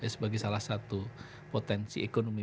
sebagai salah satu potensi ekonomi